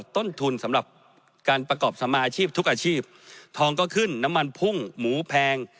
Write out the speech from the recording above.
ต้นทุนสำหรับการประกอบสมาชีพทุกอาชีพทองก็ขึ้นน้ำมันพุ่งหมูแพง